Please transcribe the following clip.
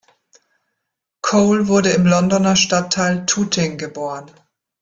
Cole wurde im Londoner Stadtteil Tooting geboren.